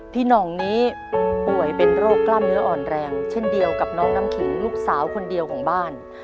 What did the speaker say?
หน่องนี้ป่วยเป็นโรคกล้ามเนื้ออ่อนแรงเช่นเดียวกับน้องน้ำขิงลูกสาวคนเดียวของบ้าน